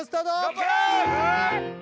頑張れー！